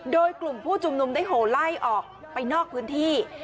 โดยกลุ่มผู้ชุมนุมได้โหไล่ออกไปนอกพื้นที่